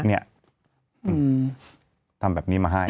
เนี่ยทำแบบนี้มาให้